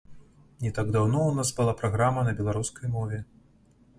Не так даўно ў нас была праграма на беларускай мове.